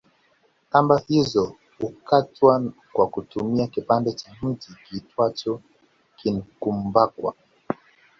Kamba hizo hukatwa kwa kutumia kipande cha mti kiitwacho kinkumbakwa